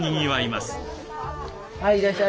はいいらっしゃい。